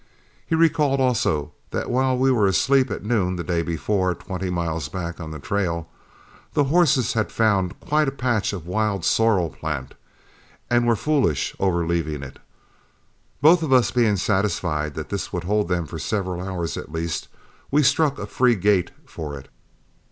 He recalled, also, that while we were asleep at noon the day before, twenty miles back on the trail, the horses had found quite a patch of wild sorrel plant, and were foolish over leaving it. Both of us being satisfied that this would hold them for several hours at least, we struck a free gait for it.